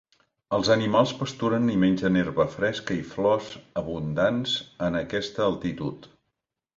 Els animals pasturen i mengen herba fresca i flors abundants en aquesta altitud.